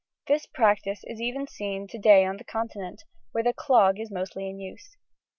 This practice is even seen to day on the Continent, where the clog is mostly in use.